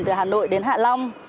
từ hà nội đến hạ long